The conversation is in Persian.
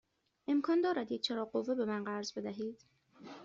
امکان دارد یک چراغ قوه به من قرض بدهید؟